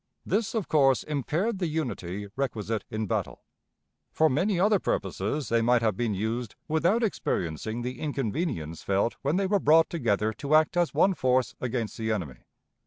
This, of course, impaired the unity requisite in battle. For many other purposes they might have been used without experiencing the inconvenience felt when they were brought together to act as one force against the enemy.